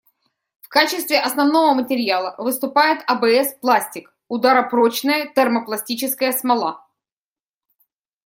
В качестве основного материала выступает АБС-пластик — ударопрочная термопластическая смола.